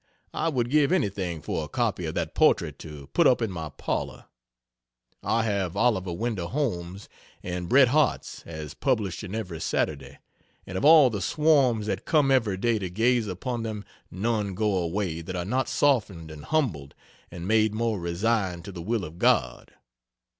I would give anything for a copy of that portrait to put up in my parlor. I have Oliver Wendell Holmes and Bret Harte's, as published in Every Saturday, and of all the swarms that come every day to gaze upon them none go away that are not softened and humbled and made more resigned to the will of God.